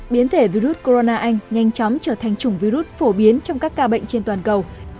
biến thể virus corona anh nhanh chóng trở thành chủng virus phổ biến trong các ca bệnh trên toàn cầu